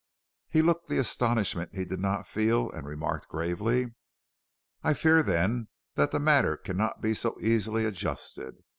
He looked the astonishment he did not feel and remarked gravely: "I fear, then, that the matter cannot be so easily adjusted."